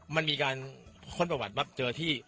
มันมีการค้นประวัติว่าเจอที่